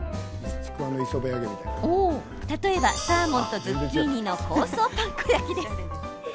例えば、サーモンとズッキーニの香草パン粉焼きです。